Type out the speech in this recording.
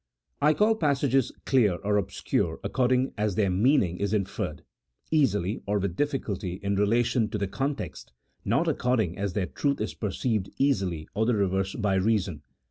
I call passages clear or obscure according as their mean ing is inferred easily or with difficulty in relation to the context, not according as their truth is perceived easily or the reverse by reason.